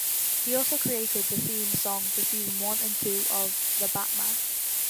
He also created the theme song for season one and two of "The Batman".